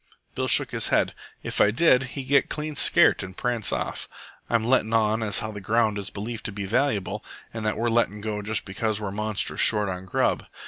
Bill shook his head. "If I did, he'd get clean scairt and prance off. I'm lettin' on as how the ground is believed to be valuable, an' that we're lettin' go half just because we're monstrous short on grub.